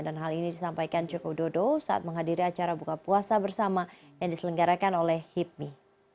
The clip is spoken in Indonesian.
dan hal ini disampaikan jokowi dodo saat menghadiri acara buka puasa bersama yang diselenggarakan oleh hipmi